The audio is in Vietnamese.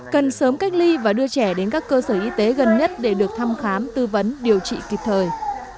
cần sớm cách ly và đưa trẻ đến các cơ sở y tế gần nhất để được thăm khám tư vấn điều trị kịp thời